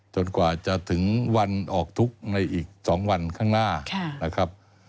จนกว่าจะถึงวันออกทุกข์ในอีก๒วันข้างหน้า